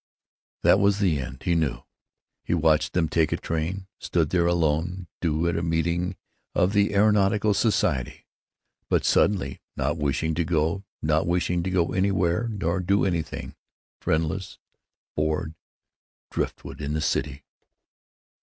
That was the end, he knew. He watched them take a train; stood there alone, due at a meeting of the Aeronautical Society, but suddenly not wishing to go, not wishing to go anywhere nor do anything, friendless, bored, driftwood in the city.